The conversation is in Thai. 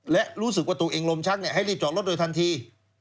และรู้สึกว่าตัวเองลมชักให้รีบจอดรถโดยทันที